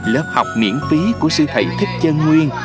lớp học miễn phí của sư thầy thích chân nguyên